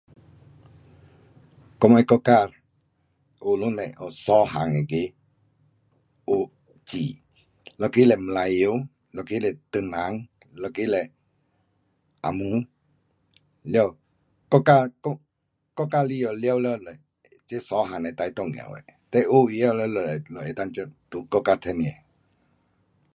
我们国家学堂嘞有三样那个学字，一个是马来语，一个是唐人，一个是红毛。了国家国，国家里下全部只这三样是最重要的。了学会晓咱们能够在这个国家赚吃